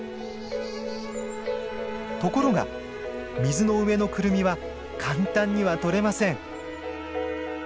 ところが水の上のクルミは簡単には取れません。